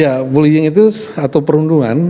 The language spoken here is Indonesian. ya bullying itu atau perundungan